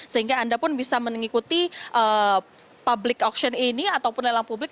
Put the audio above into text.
sehingga anda pun bisa mengikuti public action ini ataupun lelang publik